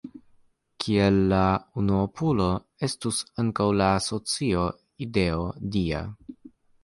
Kiel la unuopulo estus ankaŭ la socio ideo dia.